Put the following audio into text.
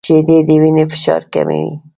• شیدې د وینې فشار کموي.